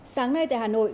sáng nay tại hà nội